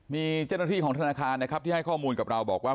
มีเจ้าหน้าที่ของธนาคารนะครับที่ให้ข้อมูลกับเราบอกว่า